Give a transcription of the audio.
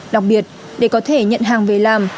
đặc biệt để có thể nhận hàng về làm